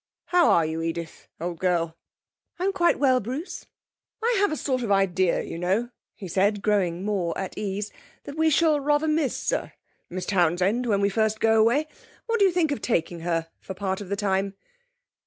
'How are you, Edith, old girl?' 'I'm quite well, Bruce.' 'I have a sort of idea, as you know,' he said, growing more at ease, 'that we shall rather miss a Miss Townsend, when we first go away. What do you think of taking her for part of the time?'